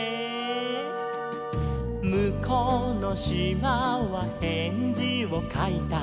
「むこうのしまはへんじをかいた」